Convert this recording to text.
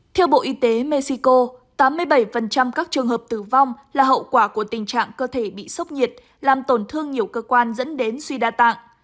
theo bộ y tế mexico tám mươi bảy các trường hợp tử vong là hậu quả của tình trạng cơ thể bị sốc nhiệt làm tổn thương nhiều cơ quan dẫn đến suy đa tạng